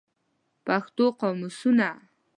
پښتو قاموسونه